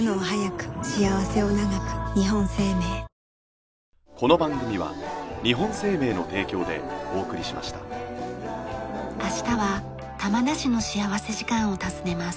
自分が明日は玉名市の幸福時間を訪ねます。